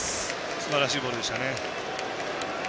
すばらしいボールでしたね。